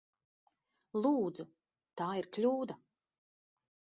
Lūdzu! Tā ir kļūda!